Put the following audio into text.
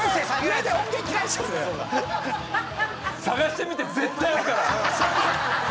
探してみて絶対あるから。